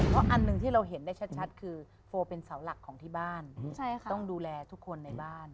เพราะอันหนึ่งที่เราเห็นได้ชัดคือโฟเป็นเสาหลักของที่บ้านต้องดูแลทุกคนในบ้าน